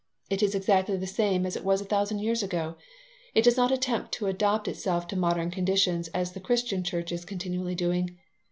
It is exactly the same as it was a thousand years ago. It does not attempt to adopt itself to modern conditions as the Christian Church is continually doing.